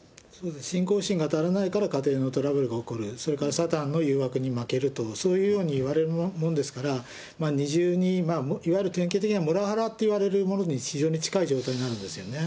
信仰心が足らないから、家庭のトラブルが起こる、それからサタンの誘惑に負けると、そういうように言われるもんですから、いわゆる典型的なモラハラって言われるものに非常に近い状態になるんですよね。